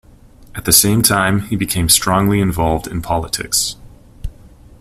At the same time, he became strongly involved in politics.